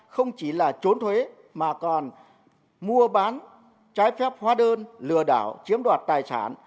không chỉ là trốn thuế mà còn mua bán trái phép hóa đơn lừa đảo chiếm đoạt tài sản